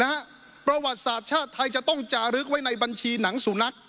ประวัติศาสตร์ชาติไทยจะต้องจารึกไว้ในบัญชีหนังสุนัข